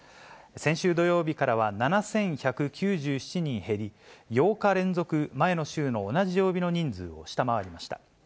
先週土曜日からは７１９７人減り、８日連続、前の週の同じ曜日の人数を下回りました。